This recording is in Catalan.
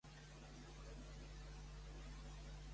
La Wikipedia és un exemple de wiki.